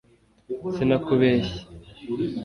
sinakubeshye